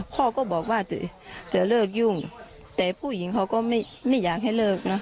พ่อก็บอกว่าจะเลิกยุ่งแต่ผู้หญิงเขาก็ไม่อยากให้เลิกนะ